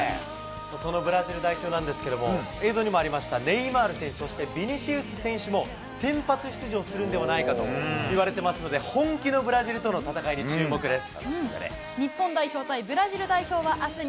そのブラジル代表なんですけれども、映像にもありました、ネイマール選手、そしてビニシウス選手も先発出場するんではないかといわれてますので、本気のブラジルとの戦いに注目です。